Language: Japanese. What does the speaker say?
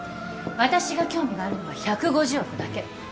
私が興味があるのは１５０億だけ。